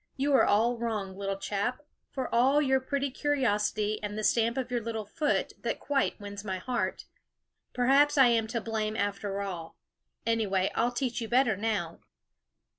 You are all wrong, little chap, for all your pretty curiosity, and the stamp of your little foot that quite wins my heart. Perhaps I am to blame, after all; anyway, I'll teach you better now."